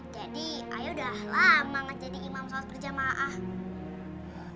jadi ayah udah lama gak jadi imam soal berjemah